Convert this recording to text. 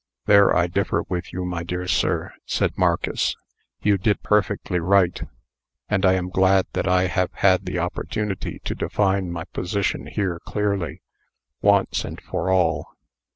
"There I differ with you, my dear sir," said Marcus. "You did perfectly right, and I am glad that I have had the opportunity to define my position here clearly, once and for all."